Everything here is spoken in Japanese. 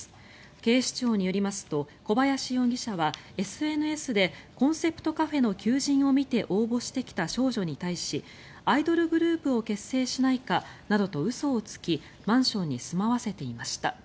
警視庁によりますと小林容疑者はＳＮＳでコンセプトカフェの求人を見て応募してきた少女に対しアイドルグループを結成しないかなどと嘘をつきマンションに住まわせていました。